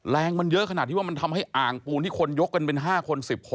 แรงมันเยอะขนาดที่ว่ามันทำให้อ่างปูนที่คนยกกันเป็น๕คน๑๐คน